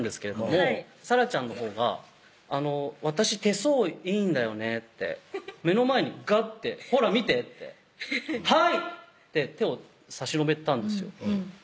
沙羅ちゃんのほうが「あの私手相いいんだよね」って目の前にがって「ほら見て」って「はい」って手を差し伸べたんですよ